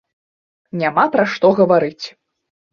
Няма пра што гаварыць.